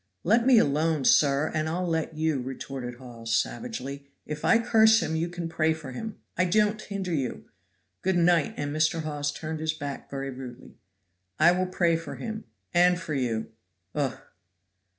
"Let me alone, sir, and I'll let you," retorted Hawes savagely. "If I curse him you can pray for him. I don't hinder you. Good night;" and Mr. Hawes turned his back very rudely. "I will pray for him and for you!" "Ugh!"